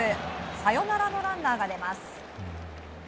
サヨナラのランナーが出ます。